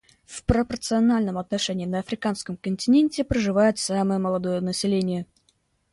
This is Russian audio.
В пропорциональном отношении на Африканском континенте проживает самое молодое население.